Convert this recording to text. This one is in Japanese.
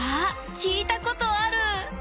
聞いたことある。